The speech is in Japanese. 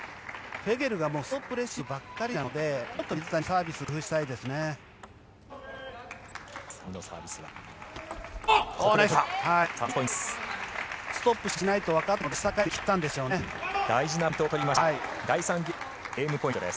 フェゲルがストップレシーブばかりなので水谷、サービスを工夫したいです。